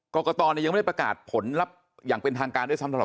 กรกฎลเนี่ยยังไม่ได้ประกาศผลลับอย่างเป็นทางการด้วยสำหรับส่อ